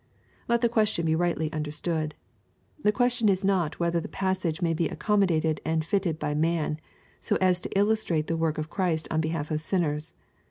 Let the question be rightly understood. The question is not whether the passage may be accommodated and fitted by man, so as to illustrate the work of Christ on behalf of siimers.